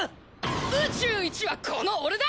宇宙一はこの俺だ！